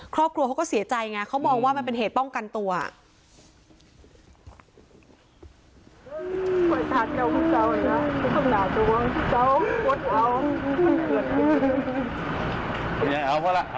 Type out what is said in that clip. ครอบครัวเขาก็เสียใจไงเขามองว่ามันเป็นเหตุป้องกันตัว